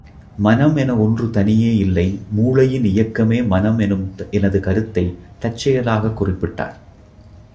மனம் என ஒன்று தனியே இல்லை மூளையின் இயக்கமே மனம் என்னும் எனது கருத்தைத் தற்செயலாகக் குறிப்பிட்டார்.